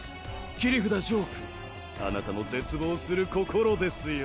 切札ジョーくんあなたの絶望する心ですよ。